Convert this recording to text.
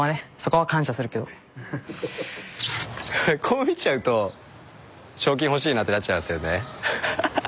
こう見ちゃうと賞金欲しいなってなっちゃいますよね。